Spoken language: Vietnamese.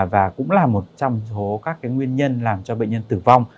và cũng là một trong số các nguyên nhân làm cho bệnh nhân tử vong